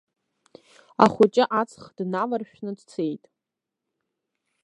Ахәыҷы аҵх дналаршәны дцеит!